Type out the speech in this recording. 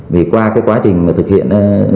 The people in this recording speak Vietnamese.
vì qua cái quá trình mà thực hiện